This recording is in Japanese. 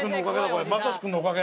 これマサシ君のおかげ！